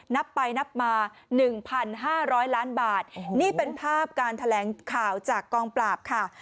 นับไปนับมา๑๕๐๐ล้านบาทนี่เป็นภาพการแถลงข่าวจากกองปราบค่ะ